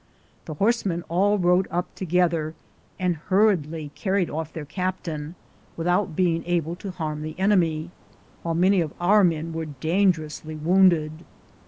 The horsemen all rode up together and hurriedly carried off their captain, without being able to harm the enemy, while many of our men were dan gerously wounded.